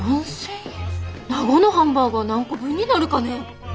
名護のハンバーガー何個分になるかね？